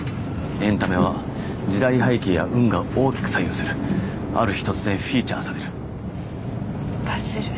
エンタメは時代背景や運が大きく作用するある日突然フィーチャーされるバズる？